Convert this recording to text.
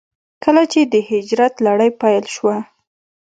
کله چې د هجرت لړۍ پيل شوه.